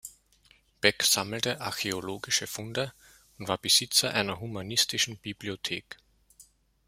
Beck sammelte archäologische Funde und war Besitzer einer humanistischen Bibliothek.